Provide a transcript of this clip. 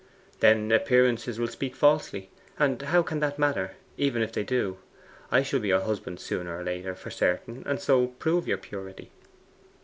'Then appearances will speak falsely; and how can that matter, even if they do? I shall be your husband sooner or later, for certain, and so prove your purity.